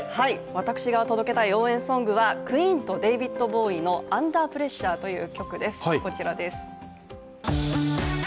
私が届けたい応援ソングはクイーンとデヴィッド・ボウイの「アンダー・プレッシャー」という曲です。